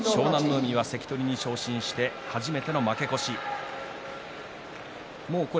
海は関取に昇進して初めての負け越しです。